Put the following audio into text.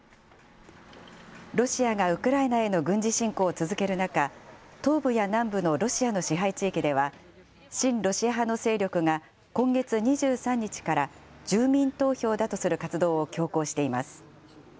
ロシアがウクライナへの軍事侵攻を続ける中、東部や南部のロシアの支配地域では、親ロシア派の勢力が今月２３日から、住民投票だとする活動を強行しています。